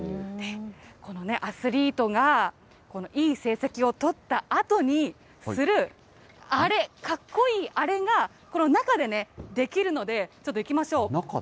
このアスリートがいい成績を取ったあとにする、あれ、かっこいいあれが、この中でできるので、ちょっと行きましょう。